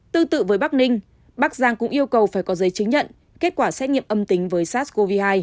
tương tự với bắc ninh bắc giang cũng yêu cầu phải có giấy chứng nhận kết quả xét nghiệm âm tính với sars cov hai